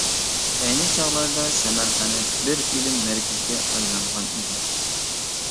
ئەينى چاغلاردا سەمەرقەنت بىر ئىلىم مەركىزىگە ئايلانغان ئىدى.